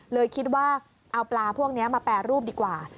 เลยคิดว่าเอาปลาพวกนี้มาแปรรูปดีกว่า